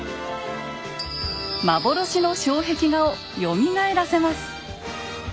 幻の障壁画をよみがえらせます。